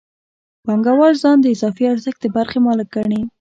پانګوال ځان د اضافي ارزښت د برخې مالک ګڼي